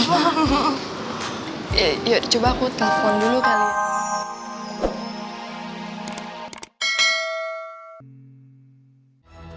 oh ya yuk coba aku telepon dulu kali